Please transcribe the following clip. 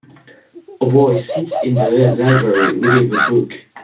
A boy sits in the library, reading a book.